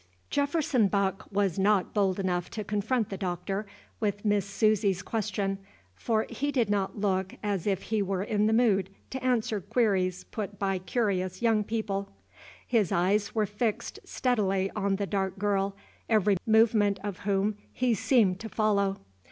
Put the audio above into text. Jefferson Buck was not bold enough to confront the Doctor with Miss Susy's question, for he did not look as if he were in the mood to answer queries put by curious young people. His eyes were fixed steadily on the dark girl, every movement of whom he seemed to follow.